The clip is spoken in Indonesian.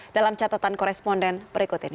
dalam catatan koresponden berikut ini